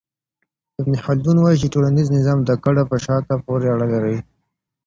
ابن خلدون وايي چي ټولنيز نظام د کډه په شاته پوري اړه لري.